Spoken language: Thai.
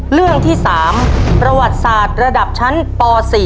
เรื่องที่๓ประวัติศาสตร์ระดับชั้นป๔